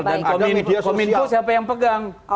dan kominif itu siapa yang pegang